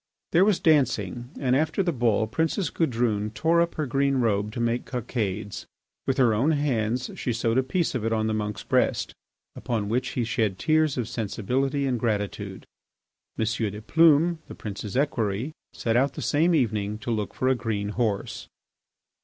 There was dancing, and after the ball Princess Gudrune tore up her green robe to make cockades. With her own hands she sewed a piece of it on the monk's breast, upon which he shed tears of sensibility and gratitude. M. de Plume, the prince's equerry, set out the same evening to look for a green horse.